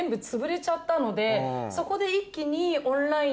そこで一気に。